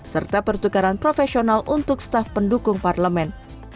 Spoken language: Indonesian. serta pertukaran profesional untuk staf pendukung parlemen